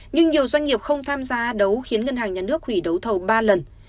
nhưng nhiều doanh nghiệp không tham gia đấu khiến ngân hàng nhà nước hủy đấu thầu ba lần